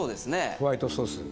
ホワイトソース。